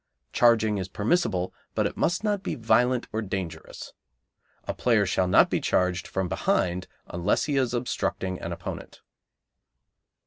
Charging is permissible, but it must not be violent or dangerous. A player shall not be charged from behind unless he is obstructing an opponent.